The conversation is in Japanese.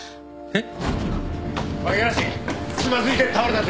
えっ？